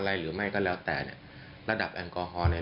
และมะบอลเห็นกับธรรมดา